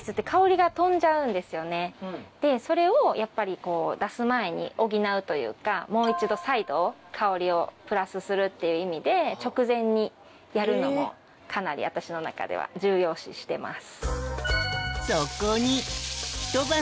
ここまで全部でこれでもう一度再度香りをプラスするっていう意味で直前にやるのもかなり私の中では重要視してます。